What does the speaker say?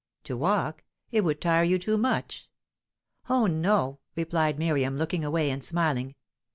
"To walk? It would tire you too much." "Oh no!" replied Miriam, looking away and smiling.